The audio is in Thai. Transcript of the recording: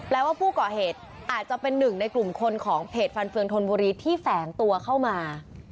แล้วว่าผู้ก่อเหตุอาจจะเป็นหนึ่งในกลุ่มคนของเพจฟันเฟืองธนบุรีที่แฝงตัวเข้ามา